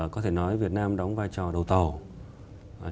có thể nói việt nam đóng vai trò đầu tàu